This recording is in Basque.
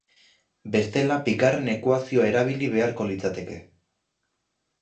Bestela bigarren ekuazioa erabili beharko litzateke.